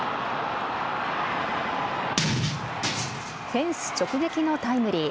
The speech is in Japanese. フェンス直撃のタイムリー。